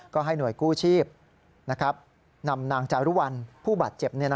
ก็ให้หน่วยกู้ชีพนำนางจารุวัลผู้บาดเจ็บ